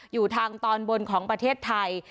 อยู่ทางตอนบนของประเทศไทย